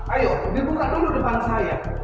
ayo dibuka dulu depan saya